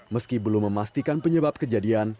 meski belum memastikan penyebab kejadian